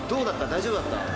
大丈夫だった？